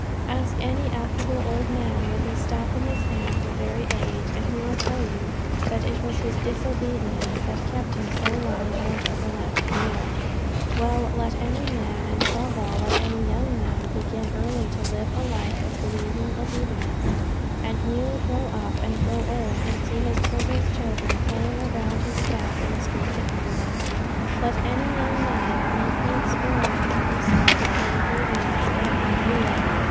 Ask any affable old man with his staff in his hand for very age, and he will tell you that it was his disobedience that kept him so long out of the land of Beulah. While, let any man, and above all, let any young man, begin early to live a life of believing obedience, and he will grow up and grow old and see his children's children playing around his staff in the streets of Beulah. Let any young man make the experiment for himself upon obedience and upon Beulah.